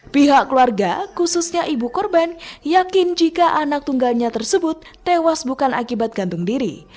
pihak keluarga khususnya ibu korban yakin jika anak tunggalnya tersebut tewas bukan akibat gantung diri